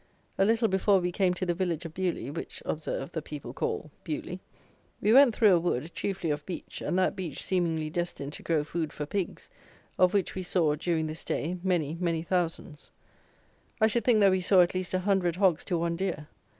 A little before we came to the village of Beaulieu (which, observe, the people call Beuley), we went through a wood, chiefly of beech, and that beech seemingly destined to grow food for pigs, of which we saw, during this day, many, many thousands. I should think that we saw at least a hundred hogs to one deer.